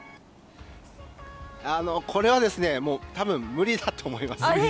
これはたぶん無理だと思います。